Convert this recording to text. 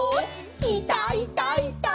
いたいたいた！」